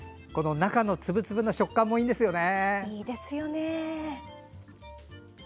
中の粒々の食感もいいですよね。